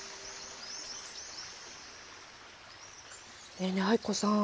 ねえねえ藍子さん。